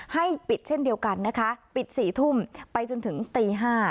ให้ปิดเช่นเดียวกันนะคะปิด๔ทุ่มไปจนถึงตี๕